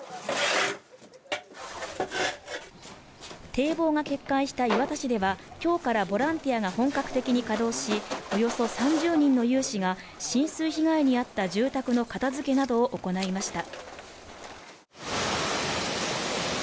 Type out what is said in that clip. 堤防が決壊した磐田市では今日からボランティアが本格的に稼働し、およそ３０人の有志が浸水被害に遭った住宅の片付けなどを行いました。